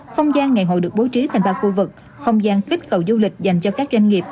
không gian ngày hội được bố trí thành ba khu vực không gian kích cầu du lịch dành cho các doanh nghiệp